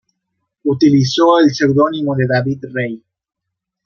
Utilizó el seudónimo de "David Rey".